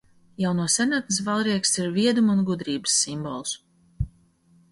Jau no senatnes valrieksts ir vieduma un gudrības simbols.